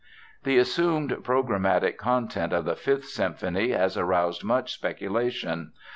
The assumed programmatic content of the Fifth Symphony has aroused much speculation.